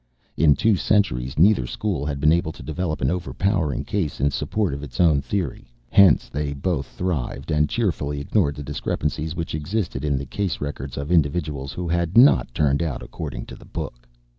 In two centuries neither school had been able to develop an overpowering case in support of its own theory. Hence they both thrived, and cheerfully ignored the discrepancies which existed in the case records of individuals who had not turned out according to the book.